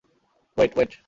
Wait, wait.